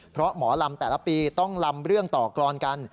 เพราะหมอลำแต่ละปีต้องลำเรื่องต่อกรอนกัน